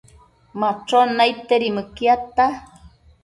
Machon naidtedi mëquiadta